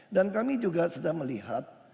dan kami juga sedang melihat